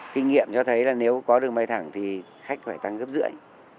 kinh nghiệm cho thấy là nếu có đường bay thẳng thì khách phải tăng gấp rưỡi